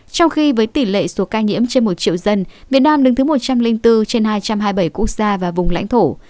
trong khi với tỷ lệ số ca nhiễm trên một triệu dân việt nam đứng thứ một trăm linh bốn trên hai trăm hai mươi bảy quốc gia và vùng lãnh thổ